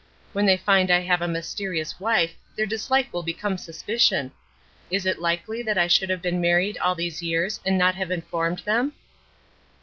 When they find I have a mysterious wife their dislike will become suspicion. Is it likely that I should have been married all these years and not have informed them?"